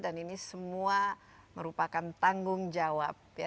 dan ini semua merupakan tanggung jawab